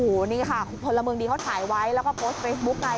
โอ้โหนี่ค่ะพลเมืองดีเขาถ่ายไว้แล้วก็โพสต์เฟซบุ๊กไง